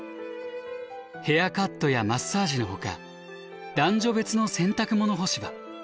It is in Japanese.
「ヘアカット」や「マッサージ」のほか「男女別の洗濯物干し場」。